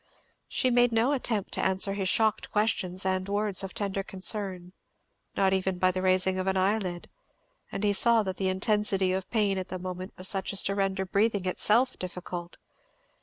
She made no attempt to answer his shocked questions and words of tender concern, not even by the raising of an eyelid, and he saw that the intensity of pain at the moment was such as to render breathing itself difficult.